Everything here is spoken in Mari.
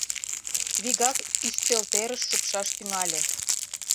Вигак ӱстелтӧрыш шупшаш тӱҥале.